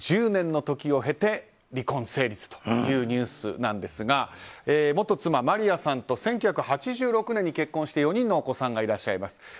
１０年の時を経て離婚成立というニュースなんですが元妻マリアさんと１９８６年に結婚して４人お子さんがいらっしゃいます。